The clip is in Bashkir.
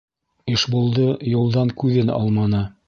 Ишбулды юлдан күҙен алманы.